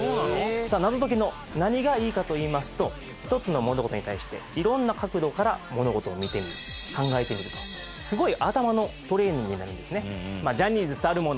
さあ謎解きの何がいいかといいますと１つの物事に対して色んな角度から物事を見てみる考えてみるとすごい頭のトレーニングになるんですね。